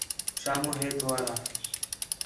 شامو ہتھ وڑا